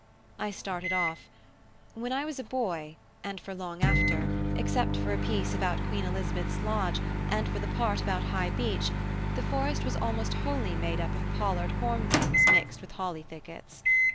I started off: "When I was a boy, and for long after, except for a piece about Queen Elizabeth's Lodge, and for the part about High Beech, the Forest was almost wholly made up of pollard hornbeams mixed with holly thickets.